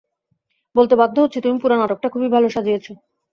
বলতে বাধ্য হচ্ছি, তুমি পুরো নাটকটা খুবই ভালো সাজিয়েছ।